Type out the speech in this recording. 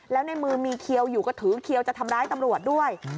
แล้วในมือมีเขียวอยู่ก็ถือเขียวจะทำร้ายตำรวจด้วย